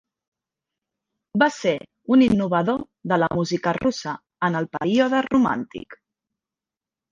Va ser un innovador de la música russa en el període romàntic.